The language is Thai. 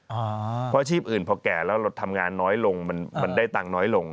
เพราะอาชีพอื่นพอแก่แล้วเราทำงานน้อยลงมันได้ตังค์น้อยลง